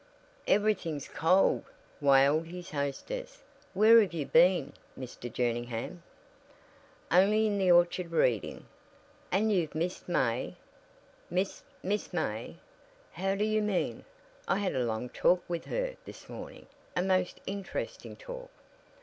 "Everything's cold," wailed his hostess. "Where have you been, Mr. Jerningham?" "Only in the orchard reading." "And you've missed May!" "Missed Miss May? How do you mean? I had a long talk with her this morning a most interesting talk."